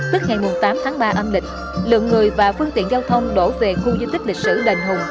tức ngày tám tháng ba âm lịch lượng người và phương tiện giao thông đổ về khu di tích lịch sử đền hùng